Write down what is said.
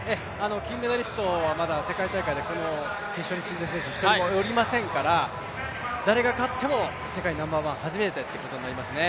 金メダリストはまだ決勝に進んでいる選手１人もいませんから誰が勝っても世界ナンバーワン、初めてということになりますね。